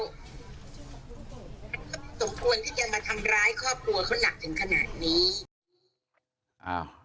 มันก็สมควรที่จะมาทำร้ายครอบครัวเขาหนักถึงขนาดนี้